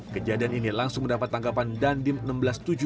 kejadian ini langsung mendapat tanggapan dandim seribu enam ratus tujuh puluh dua